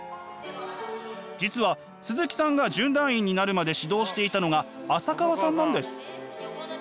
実は鈴木さんが準団員になるまで指導していたのが浅川さんなんです。